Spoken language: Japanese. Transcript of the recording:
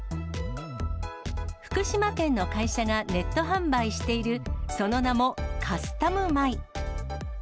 福島県の会社がネット販売している、その名もカスタム米。